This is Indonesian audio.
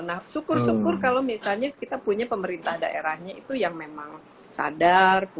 nah syukur syukur kalau misalnya kita punya pemerintah daerahnya itu yang memang sadar